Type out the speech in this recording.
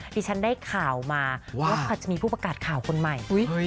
ที่ฉันได้ข่าวมาว่าจะมีผู้ประกาศข่าวคนใหม่